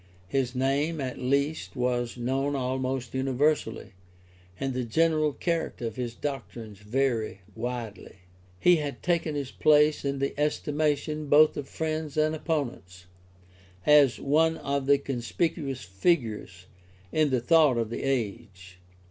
His name, at least, was known almost universally, and the general character of his doctrines very widely. He had taken his place in the estimation both of friends and opponents, as one of the conspicuous figures in the thought of the age.